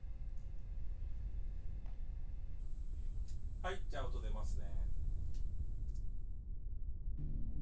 はいじゃあ音出ますね。